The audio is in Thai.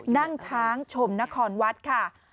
นั่งช้างชมนครวัดค่ะ